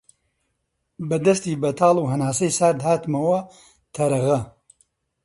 بە دەستی بەتاڵ و هەناسەی سارد هاتمەوە تەرەغە